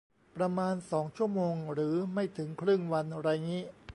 ประมาณสองชั่วโมงหรือไม่ถึงครึ่งวันไรงี้